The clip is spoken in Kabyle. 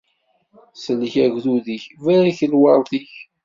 Sellek agdud-ik, barek lweṛt-ik!